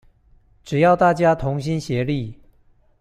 只要大家同心協力